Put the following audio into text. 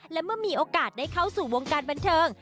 และเมื่อมีโอกาสได้เข้าสู่วงการบันเทิง